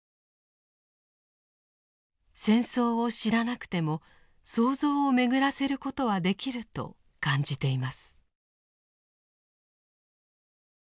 戦争を知らなくても想像を巡らせることはできると感じています。